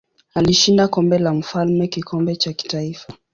Alishinda Kombe la Mfalme kikombe cha kitaifa.